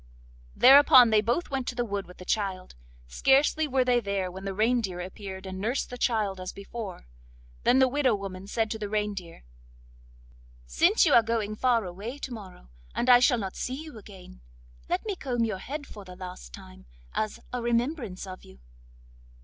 Thereupon they both went to the wood with the child; scarcely were they there when the reindeer appeared and nursed the child as before. Then the widow woman said to the reindeer: 'Since you are going far away to morrow, and I shall not see you again, let me comb your head for the last time, as a remembrance of you.